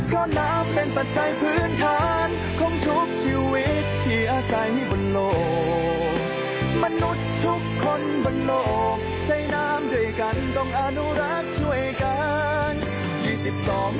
คนบนโลกใช้น้ำด้วยกันต้องอนุรักษ์ด้วยกัน